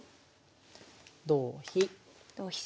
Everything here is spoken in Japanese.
同飛。